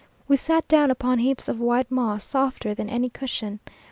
We sat down upon heaps of white moss, softer than any cushion.